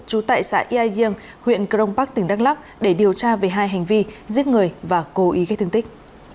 trú tại xã yai giêng huyện crong park tỉnh đắk lắc để điều tra về hai hành vi giết người và cố ý gây thương tích